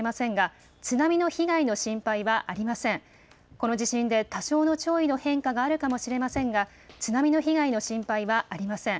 この地震で多少の潮位の変化があるかもしれませんが津波の被害の心配はありません。